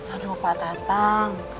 aduh pak datang